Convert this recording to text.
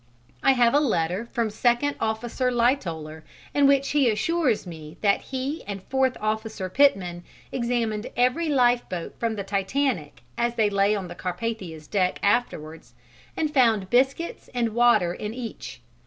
I have a letter from Second Officer Lightoller in which he assures me that he and Fourth Officer Pitman examined every lifeboat from the Titanic as they lay on the Carpathia's deck afterwards and found biscuits and water in each.